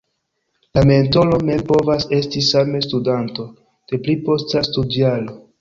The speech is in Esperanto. La mentoro mem povas esti same studanto, de pli posta studjaro.